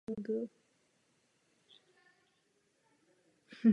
Skutečnost je totiž mnohem složitější.